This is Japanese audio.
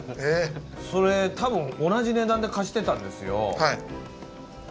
それ、多分同じ値段で貸してたんですよ。